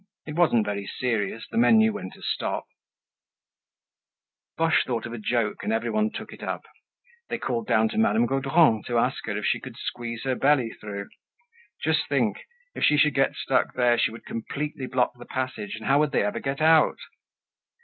It wasn't very serious; the men knew when to stop. Boche thought of a joke and everyone took it up. They called down to Madame Gaudron to ask her if she could squeeze her belly through. Just think! If she should get stuck there, she would completely block the passage, and how would they ever get out?